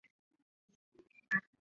朗镇人口变化图示